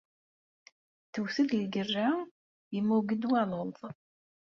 Tewwet-d lgerra, yemmug-d waluḍ.